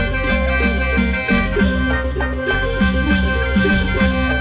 สุดยอดสุดยอด